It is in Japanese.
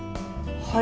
はい。